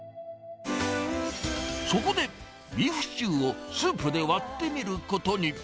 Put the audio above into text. そこで、ビーフシチューをスープで割ってみることに。